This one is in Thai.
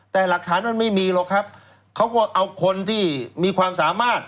แต่หลักฐานมันไม่มีหรอกครับเขาก็เอาคนที่มีความสามารถ